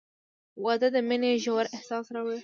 • واده د مینې ژور احساس راوړي.